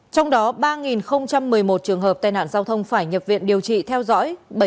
trong đó ba một mươi một trường hợp tai nạn giao thông phải nhập viện điều trị theo dõi